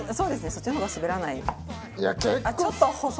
そっちの方が滑らない。